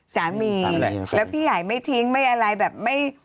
สามีแล้วพี่ใหญ่ไม่ทิ้งไม่อะไรแบบไม่